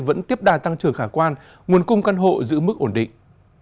vẫn tiếp đà tăng trưởng khả quan nguồn cung căn hộ giữ mức ổn định